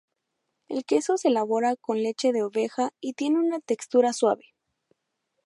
El queso se elabora con leche de oveja y tiene una textura suave.